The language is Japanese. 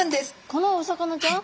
このお魚ちゃん？